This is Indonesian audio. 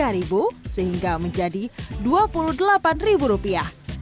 tiga ribu sehingga menjadi dua puluh delapan ribu rupiah